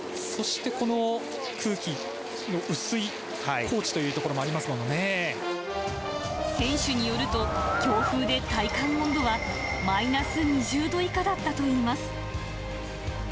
そしてこの空気の薄い高地と選手によると、強風で体感温度はマイナス２０度以下だったといいます。